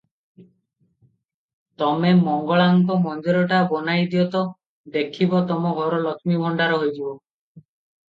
ତମେ ମଙ୍ଗଳାଙ୍କ ମନ୍ଦିରଟା ବନାଇଦିଅ ତ, ଦେଖିବ ତମ ଘର ଲକ୍ଷ୍ମୀ ଭଣ୍ତାର ହୋଇଯିବ ।